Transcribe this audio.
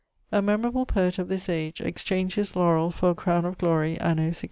] A memorable Poet of this age, exchanged his Laurel for a Crowne of Glorie, Anno 1631.